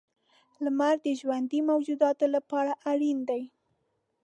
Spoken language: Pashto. • لمر د ژوندي موجوداتو لپاره اړینه دی.